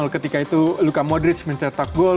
ketika itu luka modric mencetak gol